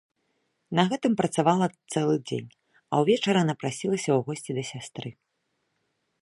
На гэтым працавала цэлы дзень, а ўвечары напрасілася ў госці да сястры.